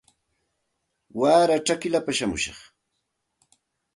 Waray chakillapa shamushaq